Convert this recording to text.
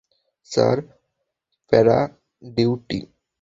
Sir, প্যারা-ডিউটি?